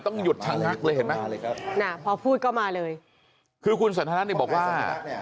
ต้องหยุดชะงักเลยเห็นไหมน่ะพอพูดก็มาเลยคือคุณสันทนัทเนี่ยบอกว่า